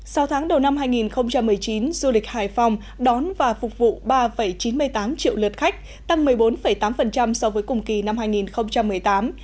sau tháng đầu năm hai nghìn một mươi chín du lịch hải phòng đón và phục vụ ba chín mươi tám triệu lượt khách tăng một mươi bốn tám so với cùng kỳ năm hai nghìn một mươi tám